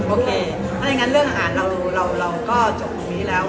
โอเคถ้าอย่างงั้นเรื่องอาหารเราก็จบตรงนี้แล้ว